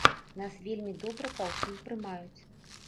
Нас вельмі добра паўсюль прымаюць.